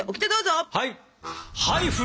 はい！